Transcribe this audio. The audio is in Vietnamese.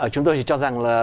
chúng tôi chỉ cho rằng là